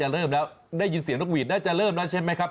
เริ่มแล้วได้ยินเสียงนกหวีดน่าจะเริ่มแล้วใช่ไหมครับ